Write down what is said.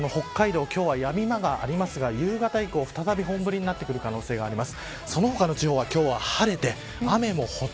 北海道、今日はやむ間がありますが、夕方以降再び本降りになってくる可能性があります。